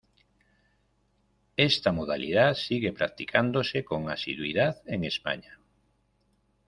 Esta modalidad sigue practicándose con asiduidad en España.